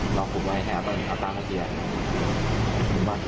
หลอกกลุ่มไว้แทบตอนอาการเทียดประมาณ๘หมื่นบาทเนี่ย